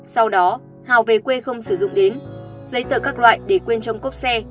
sau đó hào về quê không sử dụng đến giấy tờ các loại để quên trong cốp xe